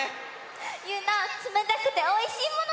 ゆうなつめたくておいしいもの